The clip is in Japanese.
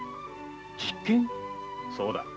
そうだ。